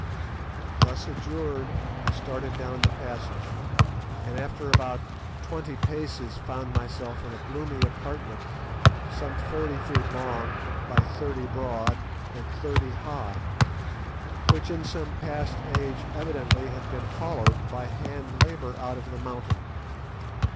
Thus adjured, I started down the passage, and after about twenty paces found myself in a gloomy apartment some forty feet long, by thirty broad, and thirty high, which in some past age evidently had been hollowed, by hand labour, out of the mountain.